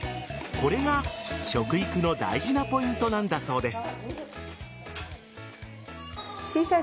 これが食育の大事なポイントなんだそうです。